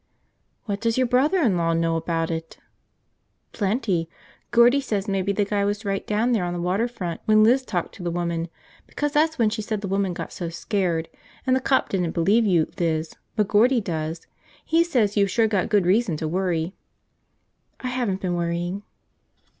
"What does your brother in law know about it?" "Plenty! Gordie says maybe the guy was right down there on the water front when Liz talked to the woman, because that's when she said the woman got so scared, and the cop didn't believe you, Liz, but Gordie does. He says you've sure got good reason to worry!" "I haven't been worrying."